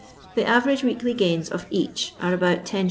The average weekly gaini of each are about 10«.